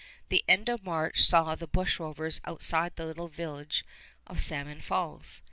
The end of March saw the bushrovers outside the little village of Salmon Falls.